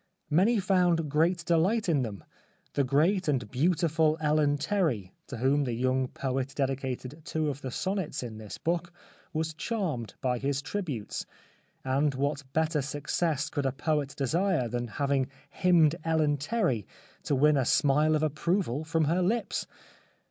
Many found great delight in them. The great and beautiful Ellen Terry, to whom the young poet dedicated two of the sonnets in this book, was charmedby his tributes ; and what better success could a poet desire than having hymned Ellen Terry to win a smile of 174 The Life of Oscar Wilde approval from her lips